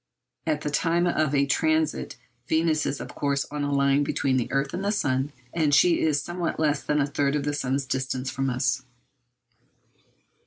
At the time of a transit Venus is of course on a line between the earth and the sun, and she is at somewhat less than a third of the sun's distance from us.